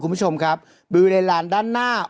คุณผู้ชมครับบริเวณลานด้านหน้า